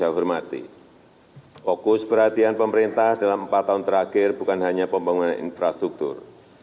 saya hormati fokus perhatian pemerintah dalam empat tahun terakhir bukan hanya pembangunan infrastruktur